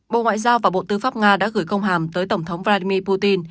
bộ ngoại giao và bộ tư pháp nga đã gửi công hàm tới tổng thống vladimir putin